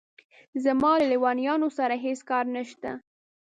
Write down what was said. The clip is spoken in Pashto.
زما له لېونیانو سره هېڅ کار نشته.